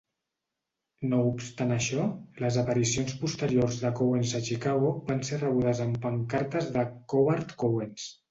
No obstant això, les aparicions posteriors de Cowens a Chicago van ser rebudes amb pancartes de "Covard Cowens".